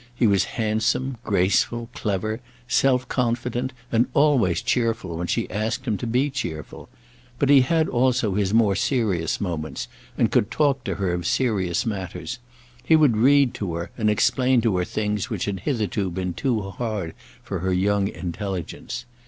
He was handsome, graceful, clever, self confident, and always cheerful when she asked him to be cheerful. But he had also his more serious moments, and could talk to her of serious matters. He would read to her, and explain to her things which had hitherto been too hard for her young intelligence.